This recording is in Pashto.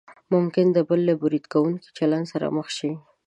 ممکن د بل له برید کوونکي چلند سره مخ شئ.